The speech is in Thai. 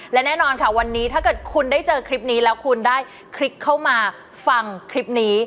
และแน่นอนค่ะวันนี้ถ้าเกิดคุณได้เจอคลิปนี้แล้วคุณได้คลิกเข้ามาฟังคลิปนี้